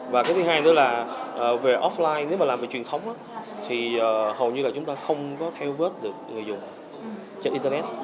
và cái thứ hai nữa là về offline nếu mà làm về truyền thống thì hầu như là chúng ta không có theo vớt được người dùng trên internet